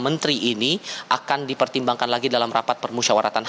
dan kemudian baru akan diputuskan bagaimana tindak lanjutnya apakah bisa dihadirkan atau tidak